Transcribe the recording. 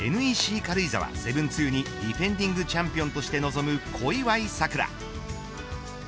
軽井沢７２にディフェンディングチャンピオンとして臨む小祝さくら。